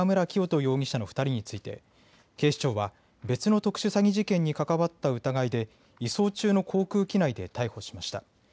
容疑者の２人について警視庁は別の特殊詐欺事件に関わった疑いで移送中の航空機内で逮捕しました。